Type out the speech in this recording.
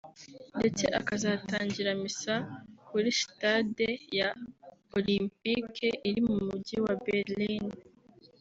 ndetse akazatangira misa kuri sitade ya Olympic iri mu Mujyi wa Berlin